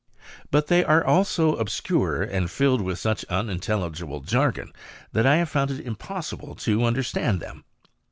But they are all so obscure, and filled with such unintelligible jargon, that I have found it im possible to understand them.